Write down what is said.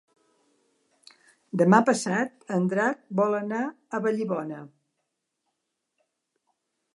Demà passat en Drac vol anar a Vallibona.